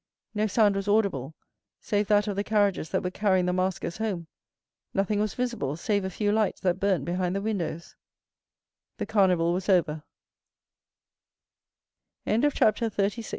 No sound was audible save that of the carriages that were carrying the maskers home; nothing was visible save a few lights that burnt behind the windows. The Carnival was over. 20193m Chapter 37.